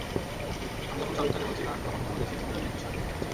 আমি যখন সবিস্তারে বলছিলাম, তখন অন্য দেশের বন্ধুরা বেশ বিস্ময়ের চোখে তাকাচ্ছিল।